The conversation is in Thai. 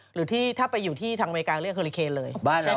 หรือที่ถ้าไปอยู่ที่ทางอเมริกาเรียกเฮอลิเคนเลย